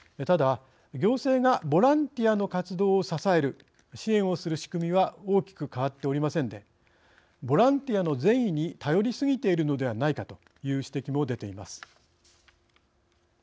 ただ行政がボランティアの活動を支える支援の仕組みは変わっておりませんでボランティアの善意に頼りすぎているのではないかという指摘も出ています。